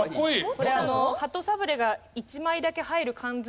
これあの鳩サブレーが１枚だけ入る缶詰。